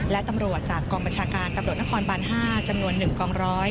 และตำรวจจากกองบัญชาการตำรวจนครบาน๕จำนวน๑กองร้อย